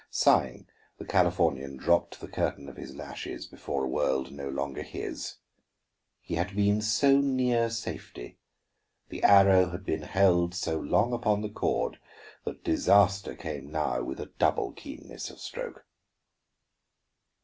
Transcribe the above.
Sighing, the Californian dropped the curtain of his lashes before a world no longer his. He had been so near safety, the arrow had been held so long upon the cord, that disaster came now with a double keenness of stroke.